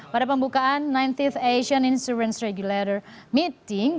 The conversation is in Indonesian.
pada pembukaan sembilan puluh th asian insurance regulator meeting